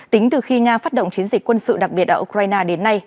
tính từ khi nga phát động chiến dịch quân sự đặc biệt ở ukraine đến nay